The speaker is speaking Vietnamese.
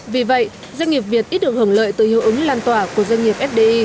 vì vậy doanh nghiệp việt ít được hưởng lợi từ hiệu ứng lan tỏa của doanh nghiệp fdi